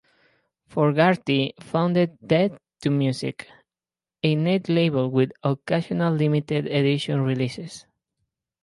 Fogarty founded 'Death To Music', a Netlabel with occasional limited edition releases.